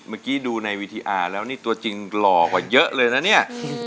เมื่อกี้ดูในวีทีอาร์แล้วนี่ตัวจริงหล่อกว่าเยอะเลยนะเนี่ย